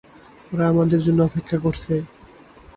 ওরা আমাদের জন্য অপেক্ষা করছে।